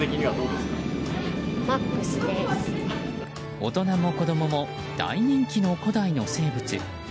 大人や子供も大人気の古代の生物。